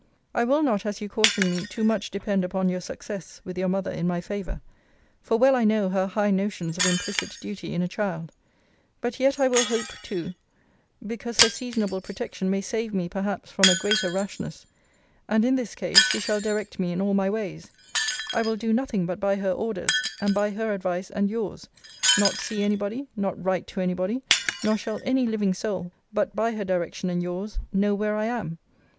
I will not, as you caution me, too much depend upon your success with your mother in my favour; for well I know her high notions of implicit duty in a child: but yet I will hope too; because her seasonable protection may save me perhaps from a greater rashness: and in this case, she shall direct me in all my ways: I will do nothing but by her orders, and by her advice and yours: not see any body: not write to any body: nor shall any living soul, but by her direction and yours, know where I am.